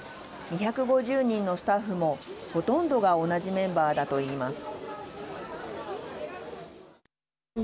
２５０人のスタッフもほとんどが同じメンバーだといいます。